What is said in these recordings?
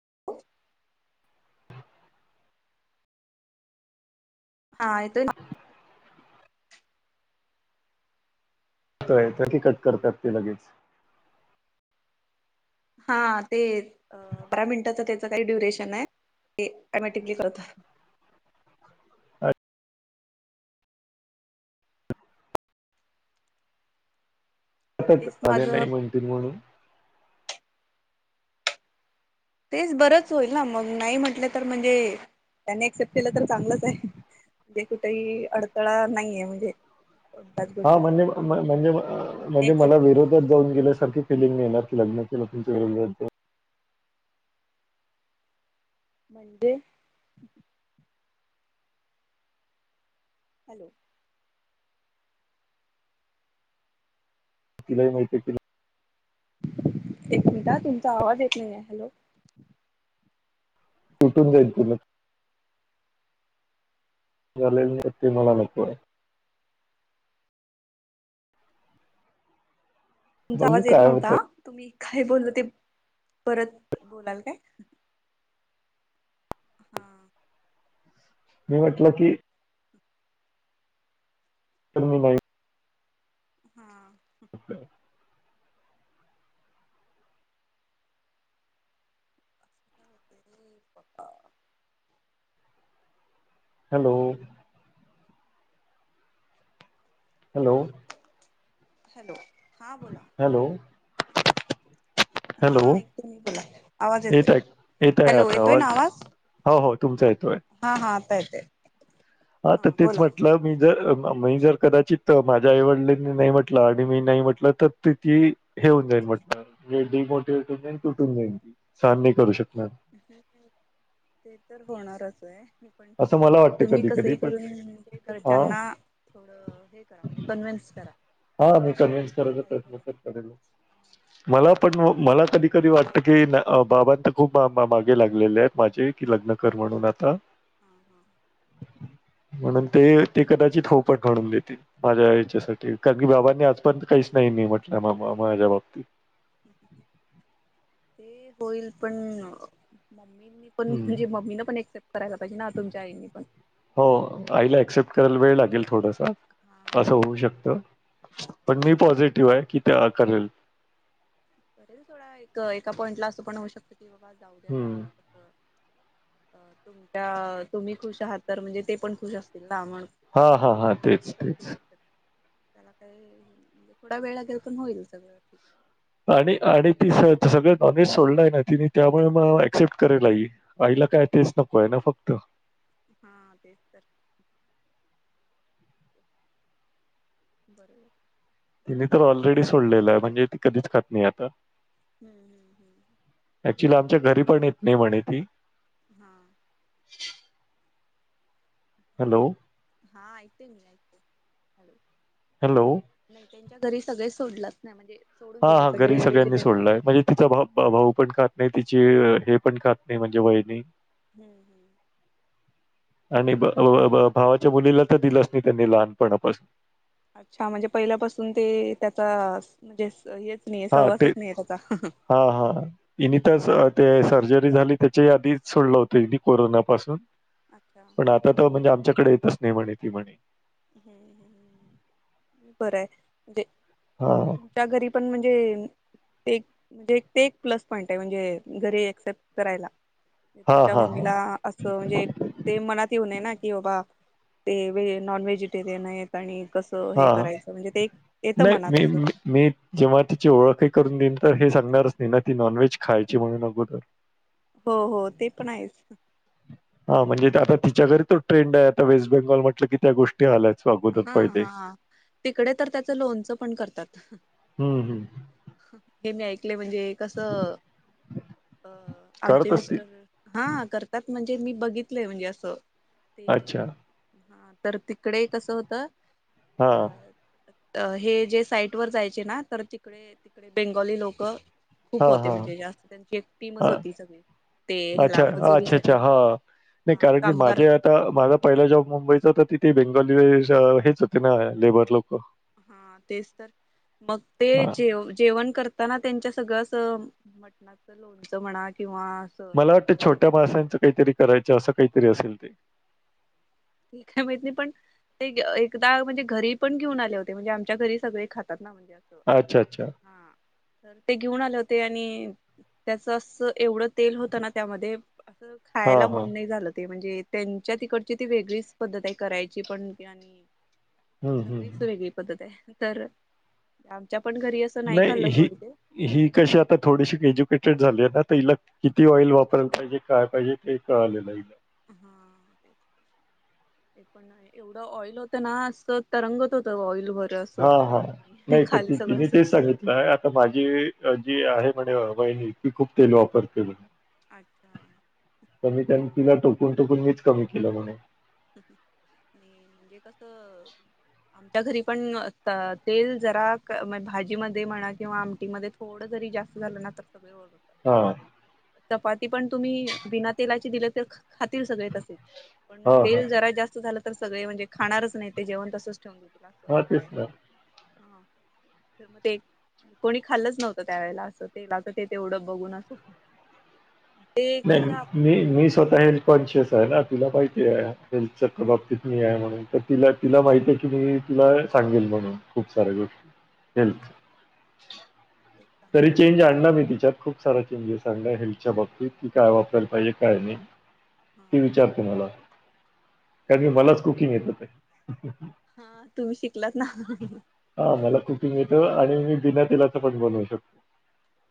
[inaudible] हा येतोय न होय कशी कट करतात ते लगेच हा ते बारा मिनिटाच त्याच काही ड्युरेशन आहे ते अमीटिकली करत अच्छा तेच आले माझं नाही म्हणतील म्हणून तेच बरंच होईल ना मग नाही म्हटलं तर म्हणजे त्यानी एक्सेप्ट केलं तर चांगलंच आहे म्हणजे कुठेही अडथळा नाहीये म्हणजे कोणत्याच हा म्हणजे गोष्टीसाठी म्हणजे त्यांनी म्हणजे मला एक्सेप्ट केलं तर विरोधात मग जाऊन गेल्यासारखी फििंग येणार लग्न तमच्या जो म्हणजे हॅलो. तिलाही माहिती एकमता तुमचा आवाज एक नाही आहे हॅलो. तुठून जाईल तुला? झालेल नाही य ते मला नको आहे. बघू आवाज येत काय नव्हता होतंय. तुम्ही काय बोलल ते परत बोलाल काय? हां. मी म्हंटल की तर मी नाही. हां. के [unintelligible] हॅलो. हॅलो. हॅलो हा बोला. हॅलो. हा हॅलो. ऐकतो मी बोला आवाज येत येतोय आहे येत आहे हॅलो आता येतोय ना आवाज हो हो तुमचा येतोय. हा हा आता येत आहे हा तर तेच म्हटलं. मी जर मी जर कदाचित माझ्या आईवडलांनी नाही म्हटलं आणि मी नाही म्हटलं तर तिथी हेऊन जाईन म्हटणारे डीमोटि वेट होऊन जाईन तुटून जाईन सहन नाही करू शकणार. ते तर होणारच आहे. पण असं मला वाटतं तुम्ही कधी-कधी कसही पण करून म्हणजे हां, घरच्यांना थोडं हे करा म्हणजे कन्वन्स करा. हा मी कन्व्हिन्स किती करायच काही प्रयत्न करायचं. करेन. मला पण मला कधी कधी वाटत की बाबां तर खूप मागे लागलेले आहेत माझे की लग्न कर म्हणून आता हां हां. म्हणून ते ते कदाचित हो म्हणून देते. माझ्या याच्यासाठी कारण की बाबांनी आजपर्यंत काहीच नाही म म्हटलं मामा माझ्या बाबतीत ते होईल पण मम्मीनी हं. पणे मम्मी न पण एक्सेप्ट करायला पाहिजे ना तुम आईनी पण हो आईला एक्सेप्ट करायला वेळ लागेल थोडसा हा असं तेच होऊ शकत पण हा मी पॉझिटिव्ह आहे कि ते करेल खरेच थोडा एक एका पॉइंटला असं पण होऊ शकतं कि बाबा जाऊ दे आता हं. फ तुम तुम्ही खुश आहात तर म्हणजे ते पण खुश. म्हण हां, हां, त्यासाठी हां. ते तेच, करतील तेच. त्याला काहीणजे थोडा वेळ अगेल पण होईल सगळं आणि आणि ती स सगळं नॉलेज सोडला आहे ना तिने त्यामुळे मग ऍक्सेप्ट करेलाई आईला काय तेच नको आहे ना फक्त हां तेस्तर बरोबर. तिने तर ऑलेडी सोडलेलं आहे म्हणजे ती कधीच खात नाही आता हम्म हम्म हम्म ऍक्च्युली आमच्या घरी पण येत नाही म्हणे ती हा. ह. हॅलो हा ऐेत मी ऐ ह हॅलो नाही त्यांच्या घरी सगळे सोडलंच नाही म्हणजे सोडून हा दिले हा घरी सगळे सगळ्यांनी व्हेजिटेरियन सोडलंय झाले म्हणजे तिचा भा भाऊ पण खात नाही तिची हे पण खात नाही म्हणजे वहिणी हम्म हम्म आणि भावाच्या मुलीला तर दिलंच नाही त्यांनी लहानपणापासून अच्छा म्हणजे पहिल्यापासून ते त्याचा म्हणजे हेच नाही हा ते सहवासच नाही आहे त्याचा हा हा इन तर ते सर्जरी झाली त्याच्या याधीच सोडलं होतं कोरोनापासून अच्छा पण हा आता तर म्हणजे आमच्याकडे येतच नाही म्हणे ती म्हणे ह् बरं आहे म्हणे हा च्या घरी पण म्हणजे तेेक म्हणजे टे एक प्लस पॉइंट आहे म्हणजे घरी क्सेप्ट करायला हा तुमच्या हा हा मम्मीला असं म्हणजे ते मनात येऊ ने ना की बाबा ते वहे नॉन व्हेजिटेरियन आहे आणि कसं हे हा करायचं म्हणजे ते एक येतं नाही मनात मी असं मी मी जेव्हा तिची ओळखही करून देईन तर हे सांगणारच नाही ना ती नॉनव्हेज खायची म्हणून अगोदर हो हो ते पण आहेच हा म्हणजे आता तिच्याकरी तो ट्रेंड आहे आता वेस्ट बेंगॉल म्हटलं की त्या गोष्टी आल्यायच स्वागवत हा पहिजे हा तिकडे तर त्याचं लोनचं पण करतात हम्म हम् हे मी ऐकले म्हणजे कसं अ आमचे करत असतील मिस्टर हा करतात म्हणजे मी बघितलंय म्हणजे असं ते अच्छा हा तर तिकडे कसं होतं हा अ अ हे जे साईट वर जायचे ना तर तिकडे तिकडे बेंगोली लोक खूप हा होते म्हणजे हा जास्त त्यांची एक टीमच होती सगळी ते ह्या अच्छा, ला अच्छा, अच्छा. मजुरीसाठीठी हां. नाही कारण की माझ्या आता माझा पहिला जॉब मुंबईचा तर तिथे बेंगलु हेच होते ना लेबर लोक हा तेच तर मग ते हां. जे जेवण करत ताना त्यांच्या सगळंच मटणाचं लोणचं म्हणा किंवा मला वाटतं छोट्या असं माणसांचं काहीतरी करायचं असं काहीतरी असेल ते ठीक आहे माहत नाही पण ते एकदा म्हणजे घरी पण घेऊन आले होते म्हणजे आमच्या घरी सगळे खातात ना म्हणजे असं अच्छा अच्छा हा तर ते घेऊन आले होते आणि त्याच असं एवढं तेल होतं ना त्यामध्ये असं खायला हां, हां. मन नाही झालं ते म्हणजे त्यांच्या तिकडची वेगळीच पद्धत आहे करायची पण आणि हं, हं, सगळीच हं. वेगळी आमच्या पण घरी नाही खाल्लं ही कोण ते ही कशी आता थोडीशी एज्युकेटेड झाली आहे ना त इला किती ऑइल वापरला पाहिजे काय पाहिजे ते कळाले नाही हा ते पण नाही एवढं ऑइल होत ना असं रंगत होत ऑइल भर हा हा नाही तर तिथे मी असं तेच सांगित नाही आता माझी जी आहे म्हणजे वहिनी ती खूप तेल हम्म वापरते अच्छा तर मी त्यांनी तिला टोकून टोकून मीच कमी केलं म्हणे नाही म्हणजे कस अच् [inaudible] आमच्या घरी पण तेल जरा भाजी मध्ये म्हणा किंवा आमटीमध्ये. थोड जरी जास्त झालं ना तर सगळे ओरडतात. हा. चपाती पण तुम्ही बिना तेलाची दिले तर खातील सगळेच तसे पण हां, हां. तेल जरा जास्त झालं तर सगळे म्हणजे खाणारच नाही ते जेवण तसच ठेवून देतील अस हां, अस आहे. तेच ना. हा तर म ते कोणी खाल्लंच नव्हतं त्यावेेळेला असं तेलाच ते तेवड बघून असं. ते नाही. कसं आप- मी मी स्वतः हेल्थ कॉन्शियस आहे ना तुला माहिती आहे हेल्थच्या प्र बाबतीत मी आहे म्हणून तिला तिला माहित आहे की मी तुला सांगेल म्हणून खूप साऱ्या गोष्टी हेल्थ. ठी आहे [inaudible] तरी चेंज आणला मी तिच्यात खूप सारा चेंजेस आणला हेल्थच्या बाबतीत की काय वापरायला पाहिजे काय नाही. हा ते विचारते मला कारण मी मलाच कुकिंग येतलं हा तुम्ही शिकलात ना. हा मला कुकिंग बरोबर. येत आणि मी बिना तेलाच ठवण शकतो.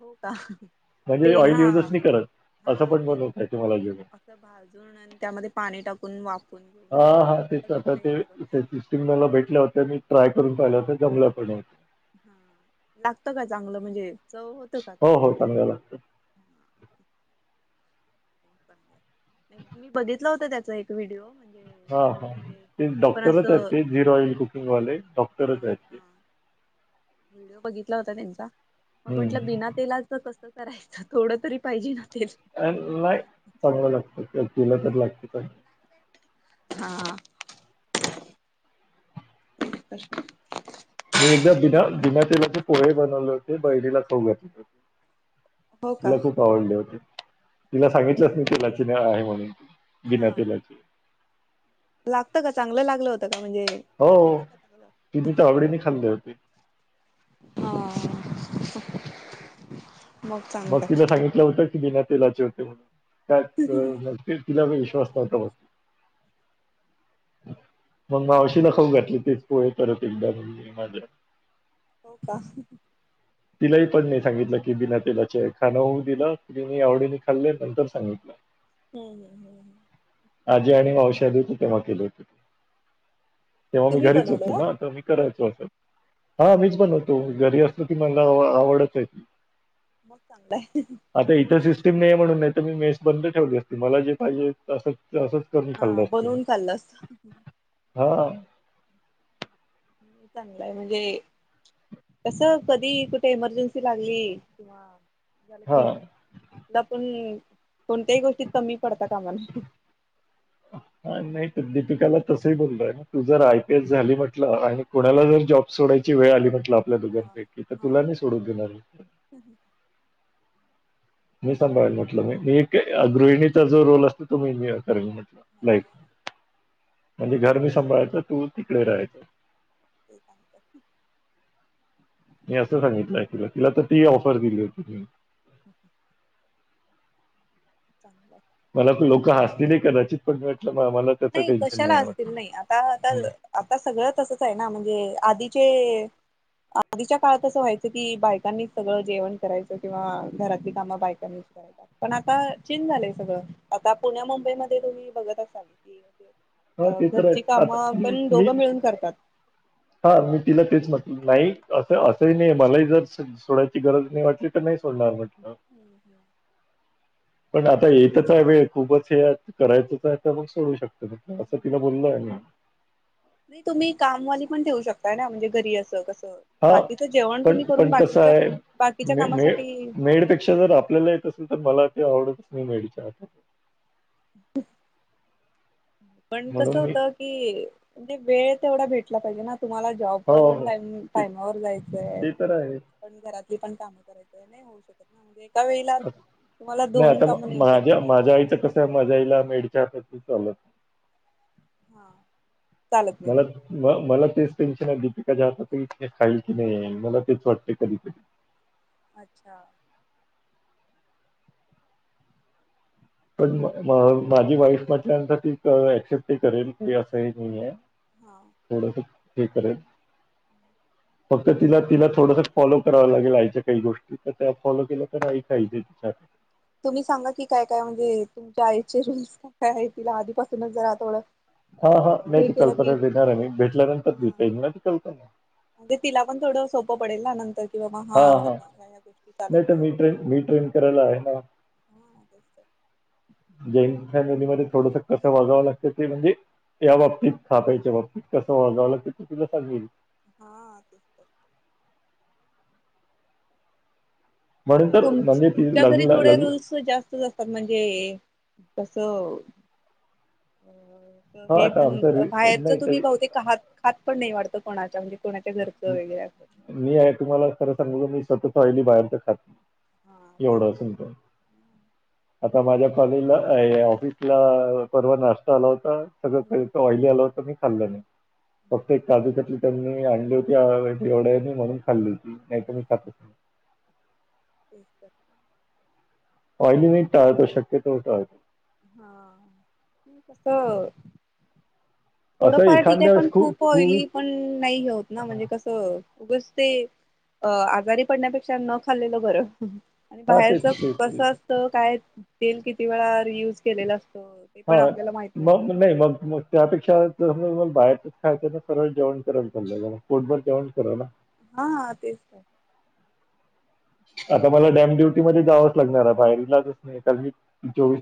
हो का म्हणजे ते ऑइल हा युजच नाही करत असं हा पण ते बनवता येत मला जेवण. असं भाजून आणि त्यामध्ये पाणी टाकून वापर. हा हा तेच आता ते सिस्टीम मला भेटल्या होत्या मी ट्राय करून पाहिलं होत जमल्या पण हो. हा लागत का चांगलं म्हणजे चव होत का हो, हो. चांगलं. चांगल्या लागतात. हा मी बघितलं होत त्याचा एक व्हिडिओ म्हणजे. हा ह्यांनी हा पण म्हणजे ते हे पण डॉक्टरच आहेत असं ते झीर ऑइल कुकिंग वाले हा डॉक्टरच आहेत ते हा व्हिडिओ बघितला होता त्यांचा मग म्हटलं हं. बिना तेलाच कस करायचं थोडं तरी पाहिजे ना तेल. अ नाही चांगलं लागत केला तर लागत च हा प्रशन मी एकदा बिना बिना तेलाचे पोहे बनवले होते बहिणीला खाऊ घातले. हो का तिला खूप आवडले होते तिला सांगितलंच नाही तेलाचे नाही आहे म्हणून बिना हा तेलाचे. लागतं का चांगलं लागलं होतं का म्हणजे. हो होतं का चांगलं तिने तर आवडीने खाल्ले होते. हो. मग तिला सांगितलं होतं की बिना तेलाचे होते म्हणून काय. चांगलं ते तिला विश्वास नव्हता बसला. मग मावशी ला खाऊ हो घातले तेच पोहे परत एकदा म्हणजे माझ्या हो का. तिलाही पण नाही सांगितलं की बिना तेलाचे आहे खाणं होऊ दिलं त मी आवडीने खाल्ले नंतर सांगितल. [unintelligible] हम् हम्म हम् हम. आज्जी आणि मावशी होते तेव्हा केलं होतं तेव्हा मी तुम्ही घरीच होतो बनवलं ना आ तर मी करायचो असे हा मीच बनवतो घरी असत मला [unintelligible] मग चांगलाय. आता इथं सिस्टीम नाहीे म्हणून नाहीतर मी मेस बंद ठेवली असते मला जे पाहिजे तंं हा बनवून खाल्लं असत. हा. चांगलंय म्हणजे. तसं कधी कुठे इमर्जन्सी लागली किंवा झालं की हा आपला पण कोणत्याही गोष्टीत कमी पडता कामा नये. हा नाही तर दीपिकाला तसंही बोललोय तू जर आयपीएस झाली म्हटलं आणि हा कुणाला जर जॉब सोडायची वेळ आली म्हटलं आपल्या दोघांपैकी तर तुला नाही सोडू देणार हां हं मी सांभाळेल म्हटलं म मी एक गृहिणीचा जो रोल असो तो मी करेल म्हट लाईक म्हणजे घर मी सांभाळायचं तू तिकडे राहायच ते काम कर मी असं सांगितलंय तिला तिला तर ती ऑफर दिली होती ठीक आहे चांगलाय मला त लोकं हसतील ही कदाचित पण [unintelligible] नाही कशाला आहे म्हटलं. हसतील नाही आता आता हं. आता सगळं तसंच आहे ना म्हणजे आधीचे आधीच्या काळात असं व्हायचं की बायकांनीच सगळं जेवण करायचं किंवा घरातली कामं बायकांनीच करायच पण आता चेंज झालंय सगळं आता पुण्या मुंबईमध्ये तुम्ही बघत असाल कि हां, अ ते तर घरची आहेच. आता कामं पण दोघं मिळून करतात हा मी तिला तेच म्हटलं नाही असं असेही नाही मलाही जर सोडायची गरज नाही वाटली तर नाही सोडणार म्हटलं हम्म पण आता येतंच आहे वेळ खूपचं हे करायचंच आहे तर मग सोडू शकत असं हम्म. तिला बोललो आहे ना नाही तुम्ही कामवाली पण ठेवू शकताय ना म्हणजे घरी असं कसं हा बाकीचं जेवण पण तुम्ही करून पण कसं बाकीच्या आहे बाकीच्या म मेळ कामासाठी मेडपेक्षा जर आपल्याला तर मला ते आवडतच नाही मेडच्या हा ह पण कसं म्हणून मी होतं की म्हणजे वेळ तेवढा भेटला पाहिजे ना तुम्हांला जॉब हो, वर पण हो. टाईम ते टाईमांवर जायचंय ते तर आहे. पण घरातली पण कामं करायचंय नाही होऊ शकत म्हणजे एका वेळेला तुम्हांला नाही दोन आता कामं न म- येेऊ माझ्या शकतात माझ्या [unintelligible] हां मला म मला तेच टेन्शन आहे दीपिकाच्या हातातून खाईल की नाही आहे मला तेच वाटते कधी कधी अच्छा पण माझी वाईफ म्हटल्यानंतर ती ऍक्सेप्ट करेल की असंही नाही आहे हां थोडंसं हे करेल फक्त तिला तिला थोडंसं फॉलो करावं लागेल आईच्या काही गोष्टी तर त्या फॉलो केल्या तर ऐकाहियजे तिच्या तुम्ही सांगा की काय काय म्हणजे तुमच्या आईचे रूल्स काय काय आहे तिला आधीपासूनच जरा थोडं अ हा हा नाही हे त केलं की कल्पना देणार आहे मी भेटल्यानंतर देता येईल ना ती कल्पना म्हणज तिला पण थोडं सोपं पडेल ना नंतर कि बाबा हा हा ह्यांना ह्या ह्या गोष्टी चालत नाही तर नाहीत. मी ट्रेन किंवा मी ट्रेन ला आहे ना हा तेच तर जय नमध्ये थडस कसं वाजावं लागतं ते म्हणजे या बाबतीत थापायच्या बाबतीत कसं वाजाव लाग क त तिला सांगल हा ते म्हणून तर तु म्हणजे ती तुमच्या घरी लग्न थोडे लग्न रूल्स जास्त असतात म्हणजे कस अ हा हे आता पण आमचं रि- बाहेरच नाही तुम्ही ताई बहुतेक हात हात पण नाही वाटत कोणाच्या म्हणजे कोणाच्या घरचं वगैरे असं मी आहे तुम्हाला खरं सांगू मी स्वतःच ऑयली बाहेर तर खात हा तेच तर. एवढंचत हम्म आता माझ्या कलीला ऑफिसला परवा नाश्ता आला होता सगळं ऑ आ खाल् नाही हम्म. फक्त काजू घ हो एवढ्या म्हणून खाल्ली होती नाही मी खात ठीक आहे ऑईल मी टाळतो शक्यतो टाळतो हा [inaudible] असं थोडंफार ठीक आहे एखाद्या पण वेळेस खूप ऑईली पण नाही हे होत ना म्हणजे कसं उगच ते अ आजारी पडण्यापेक्षा न खाल्लेलं बरं आणि हा बाहेरच तेच तेच कसं तेच असत काय तेल किती वेळा यूज केलेलं असत हा मग नाही मगग त्यापेक्षा ज बाहेरच खायच ना सरळ जेवण कर लं कोटबर जेण करा ना हाा तेच का आता मला डॅम ड्युटी मध्ये जावंच लागणार आहे बाहेरलाच नाही काी चोवीस